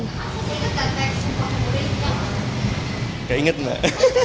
tidak ingat mbak